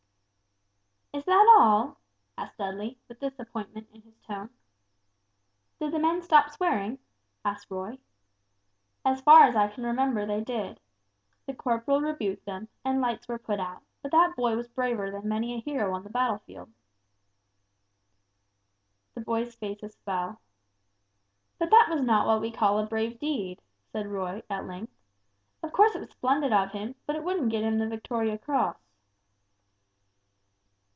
"Is that all?" asked Dudley, with disappointment in his tone. "Did the men stop swearing?" asked Roy. "As far as I can remember, they did. The corporal rebuked them, and lights were put out, but that boy was braver than many a hero on the battlefield." The boys' faces fell. "But that was not what we call a brave deed," said Roy, at length. "Of course it was splendid of him, but it wouldn't get him the Victoria Cross."